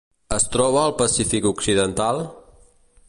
Es troba al Pacífic occidental: